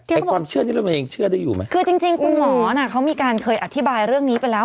แต่ความเชื่อนี้เรายังเชื่อได้อยู่ไหมคือจริงจริงคุณหมอน่ะเขามีการเคยอธิบายเรื่องนี้ไปแล้ว